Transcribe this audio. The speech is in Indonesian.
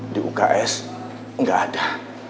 di uks nggak ada